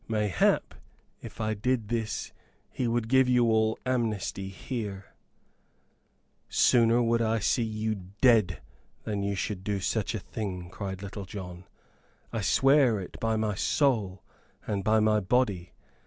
Mayhap if I did this he would give you all amnesty here." "Sooner would I see you dead than you should do such a thing," cried Little John; "I swear it by my soul and by my body!